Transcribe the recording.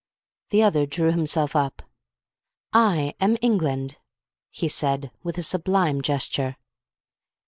The other drew himself up. "I am England," he said with a sublime gesture.